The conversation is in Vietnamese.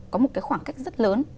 có một cái khoảng cách rất lớn